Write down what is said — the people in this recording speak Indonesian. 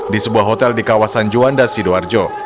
di sebuah hotel di kawasan juanda sidoarjo